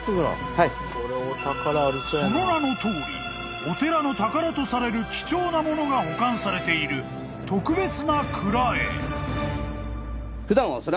［その名のとおりお寺の宝とされる貴重なものが保管されている特別な蔵へ］